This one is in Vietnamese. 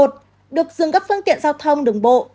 một được dừng các phương tiện giao thông đường bộ